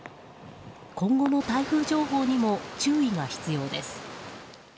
今後の台風情報にも注意が必要です。